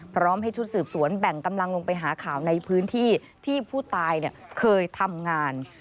พร้อมให้ชุดสืบสวนแบ่งกำลังลงไปหาข่าวในพื้นที่ที่ผู้ตายเคยทำงาน